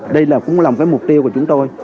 đây cũng là một cái mục tiêu của chúng tôi